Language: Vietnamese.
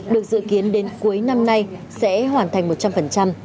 được dự kiến đến cuối năm nay sẽ hoàn thành một trăm linh